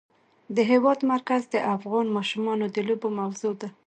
د هېواد مرکز د افغان ماشومانو د لوبو موضوع ده.